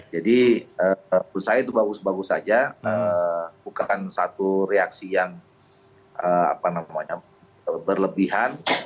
jadi menurut saya itu bagus bagus saja bukan satu reaksi yang apa namanya berlebihan